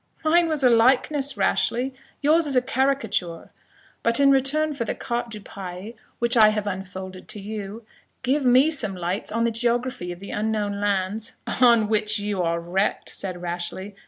"Mine was a likeness, Rashleigh; yours is a caricature. But in return for the carte du pays which I have unfolded to you, give me some lights on the geography of the unknown lands" "On which you are wrecked," said Rashleigh.